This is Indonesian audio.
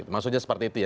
maksudnya seperti itu ya